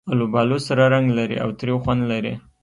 آلوبالو سره رنګ لري او تریو خوند لري.